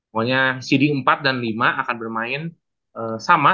pokoknya cd empat dan lima akan bermain sama